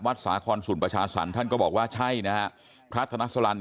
วัดสาครสุลปชาสรนท่านก็บอกว่าใช่นะฮะพระทนสลัน